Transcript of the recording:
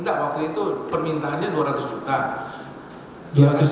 enggak waktu itu permintaannya dua ratus juta